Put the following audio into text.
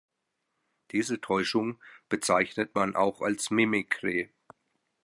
Diese Täuschung bezeichnet man auch als Mimikry.